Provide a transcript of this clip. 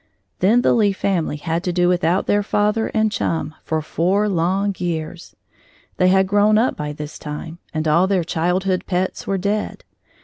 Then the Lee family had to do without their father and chum for four long years. They had grown up by this time, and all their childhood pets were dead.